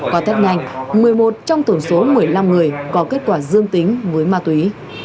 có thét nhanh một mươi một trong tổn số một mươi năm người có kết quả dương tính với ma túy